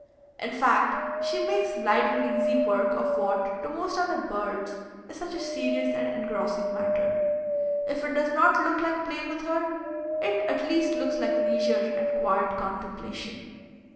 In fact, she makes light and easy work of what, to most other birds, is such a serious and engrossing matter. If it does not look like play with her, it at least looks like leisure and quiet contemplation.